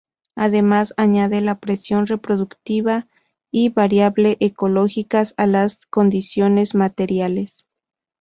Además añade la presión reproductiva y variables ecológicas a las condiciones materiales.